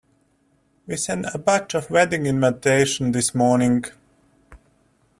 We sent a batch of wedding invitations this morning.